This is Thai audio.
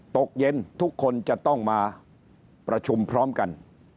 ตกเย็นทุกคนจะต้องมาประชุมพร้อมกัน